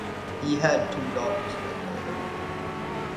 He had two daughters with her.